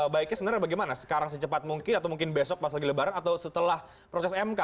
baiknya sebenarnya bagaimana sekarang secepat mungkin atau mungkin besok pas lagi lebaran atau setelah proses mk